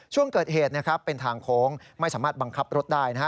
ช่วงเกิดเหตุเป็นทางโค้งไม่สามารถบังคับรถได้